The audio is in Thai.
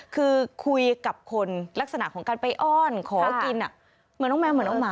คือคุยกับคนลักษณะของการไปอ้อนขอกินเหมือนน้องแมวเหมือนน้องหมา